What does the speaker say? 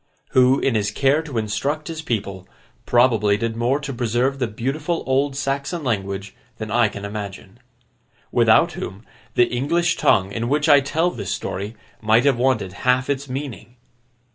Who, in his care to instruct his people, probably did more to preserve the beautiful old Saxon language, than I can imagine. Without whom, the English tongue in which I tell this story might have wanted half its meaning.